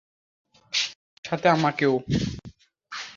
আর, সাথে আমাকেও!